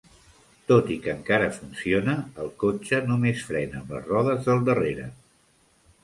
Tot i que encara funciona, el cotxe només frena amb les rodes del darrere.